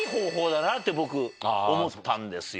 って僕思ったんですよ。